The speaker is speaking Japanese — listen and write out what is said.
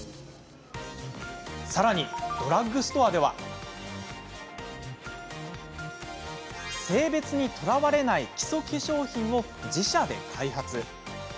さらに、ドラッグストアでは性別にとらわれない基礎化粧品を自社で開発。